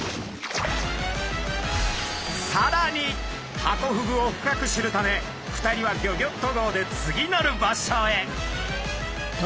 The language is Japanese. さらにハコフグを深く知るため２人はギョギョッと号で次なる場所へ。